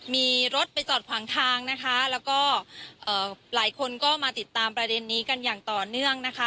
มีรถไปจอดขวางทางนะคะแล้วก็หลายคนก็มาติดตามประเด็นนี้กันอย่างต่อเนื่องนะคะ